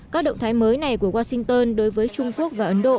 các động thái mới này của washington đối với trung quốc và ấn độ